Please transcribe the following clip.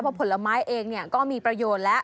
เพราะผลไม้เองก็มีประโยชน์แล้ว